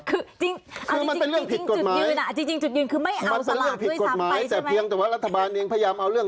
คือมันเป็นเรื่องผิดกฎหมายแต่เพียงแต่ว่า๑ตัวรัฐบาลยังพยายามเอาเรื่อง